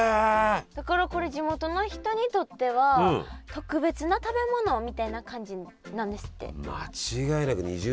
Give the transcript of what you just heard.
だからこれ地元の人にとっては特別な食べ物みたいな感じなんですって。